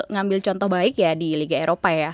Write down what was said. ngambil contoh baik ya di liga eropa ya